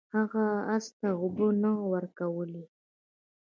هغه اس ته اوبه نه ورکولې.